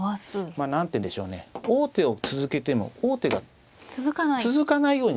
何ていうんでしょうね王手を続けても王手が続かないように逃げるってことですね。